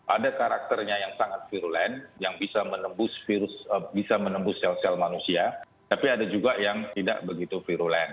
ada karakternya yang sangat virulen yang bisa menembus virus bisa menembus sel sel manusia tapi ada juga yang tidak begitu virulen